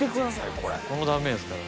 この断面ですからね。